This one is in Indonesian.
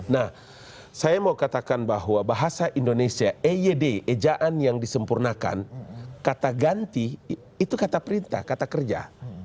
nah saya mau katakan bahwa bahasa indonesia eyd ejaan yang disempurnakan kata ganti itu kata perintah kata kerja